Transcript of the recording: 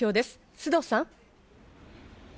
須藤さん。